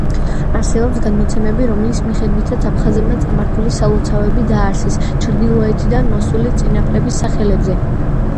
არსებობს გადმოცემები, რომლის მიხედვითაც აფხაზებმა წარმართული სალოცავები დააარსეს ჩრდილოეთიდან მოსული წინაპრების სახელებზე.